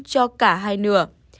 cho cả hai nửa